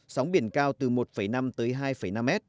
sóng biển cao từ một năm hai năm m